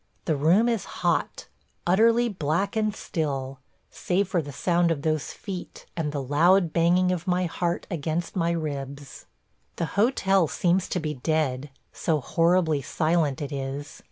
The room is hot, utterly black and still, save for the sound of those feet and the loud banging of my heart against my ribs. ... The hotel seems to be dead, so horribly silent it is.